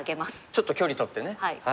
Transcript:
ちょっと距離取ってね。